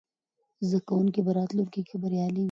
زده کوونکي به راتلونکې کې بریالي وي.